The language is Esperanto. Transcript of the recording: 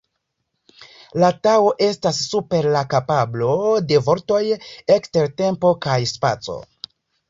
La Tao estas super la kapablo de vortoj, ekster tempo kaj spaco.